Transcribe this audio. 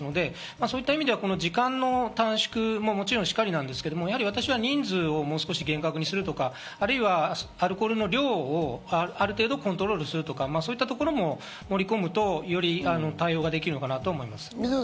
そういった意味では時間の短縮ももちろん然りですが、私は人数をもう少し厳格にするとか、アルコールの量をある程度コントロールするとか、そういったところも盛り込むとより対応ができるかなと思います。